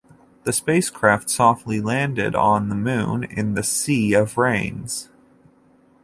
The spacecraft softly landed on the Moon in the Sea of Rains.